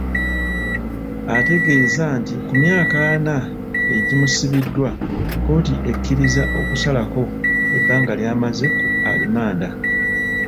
Ategeeza nti ku myaka ana egimusibiddwa, kkooti ekkiriza okusalako ebbanga ly'amaze ku alimanda.